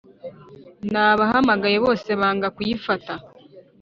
nabahamagaye bose banga kuyifata